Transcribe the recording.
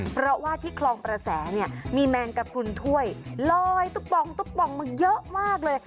เพราะว่าที่คลองประแสเนี่ยมีแมงกระพรุนถ้วยลอยตุ๊บปองตุ๊บปองมาเยอะมากเลย